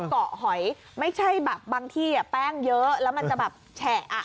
เกาะหอยไม่ใช่แบบบางที่แป้งเยอะแล้วมันจะแบบแฉะ